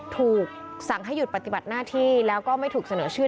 ถูกสั่งให้หยุดปฏิบัติหน้าที่แล้วก็ไม่ถูกเสนอชื่อ